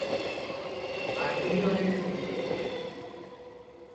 আর তুমি অনেক সুন্দর!